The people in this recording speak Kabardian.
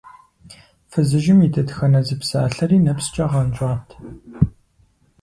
Фызыжьым и дэтхэнэ зы псалъэри нэпскӀэ гъэнщӀат.